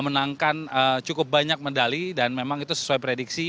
menangkan cukup banyak medali dan memang itu sesuai prediksi